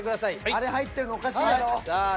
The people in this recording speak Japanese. あれ入ってるのおかしいやろ。